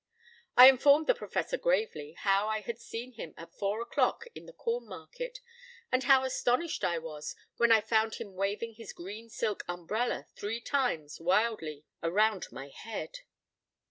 I informed the Professor gravely how I had seen him at four o'clock in the Corn Market, and how astonished I was when I found him waving his green silk umbrella three times wildly, around my head.